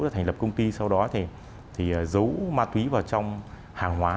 là thành lập công ty sau đó thì dấu ma túy vào trong hàng hóa